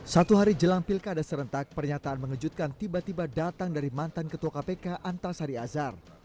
satu hari jelang pilkada serentak pernyataan mengejutkan tiba tiba datang dari mantan ketua kpk antasari azhar